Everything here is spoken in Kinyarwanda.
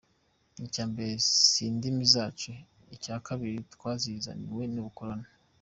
Icya mbere si indimi zacu, icyakabiri twazizaniwe n'ubukoloni.